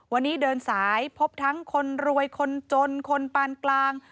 วันนี้เดินสายพบทั้งคนรวยคนจนคนปานกลาง